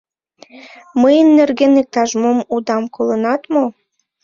Мыйын нерген иктаж-мом удам колынат мо?